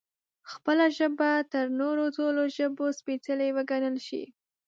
خپله ژبه تر نورو ټولو ژبو سپېڅلې وګڼل شي